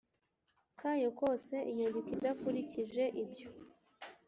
Kayo kose inyandiko idakurikije ibyo